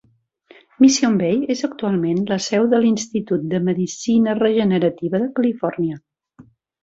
Mission Bay és actualment la seu de l'Institut de Medicina Regenerativa de Califòrnia.